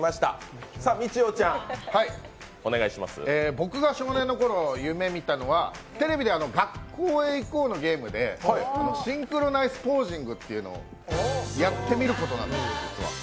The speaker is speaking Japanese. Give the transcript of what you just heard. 僕が少年のころ夢見たのはテレビで「学校へ行こう！」のゲームで「シンクロナイスポージング」っていうのをやってみることなんです。